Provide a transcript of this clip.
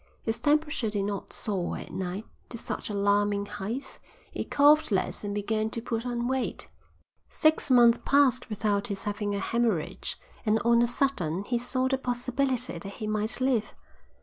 His temperature did not soar at night to such alarming heights, he coughed less and began to put on weight; six months passed without his having a hæmorrhage; and on a sudden he saw the possibility that he might live.